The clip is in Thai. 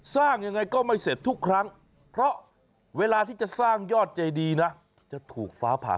สร้างยังไงก็ไม่เสร็จทุกครั้งเพราะเวลาที่จะสร้างยอดเจดีนะจะถูกฟ้าผ่า